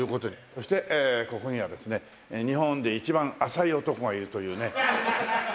そしてここにはですね日本で一番浅い男がいるというね。